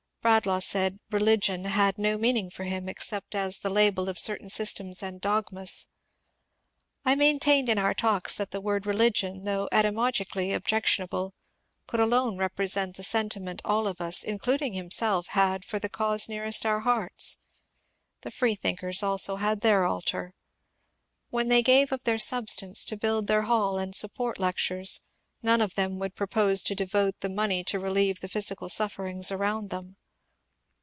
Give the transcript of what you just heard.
Bradlaugh said " religion " had no meaning for him except as the label of certain systems and dogmas. I maintained in our talks that the word ^^ religion," though etymologically objectionable, could alone represent the sentiment all of us including himself had for the cause nearest our hearts. The freethinkers also had their altar. When they gave of their substance to build their haU and support lectures, none of them woidd propose to devote the money to relieve the physical sufferings around them.